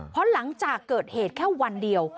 เพราะหลังจากเกิดเหตุแค่วันเดียว